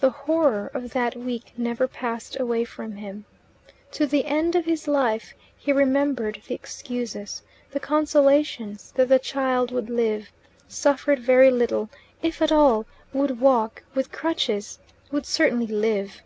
The horror of that week never passed away from him. To the end of his life he remembered the excuses the consolations that the child would live; suffered very little, if at all; would walk with crutches; would certainly live.